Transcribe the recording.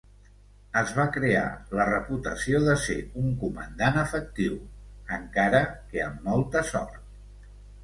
Es va crear la reputació de ser un comandant efectiu, encara que amb molta sort.